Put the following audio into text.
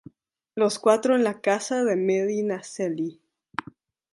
Los cuatro en la Casa de Medinaceli.